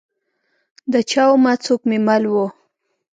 د چا ومه؟ څوک کې مل وه ؟